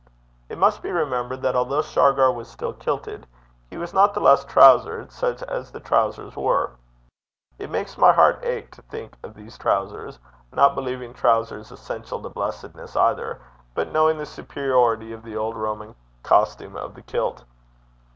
It must be remembered that although Shargar was still kilted, he was not the less trowsered, such as the trowsers were. It makes my heart ache to think of those trowsers not believing trowsers essential to blessedness either, but knowing the superiority of the old Roman costume of the kilt.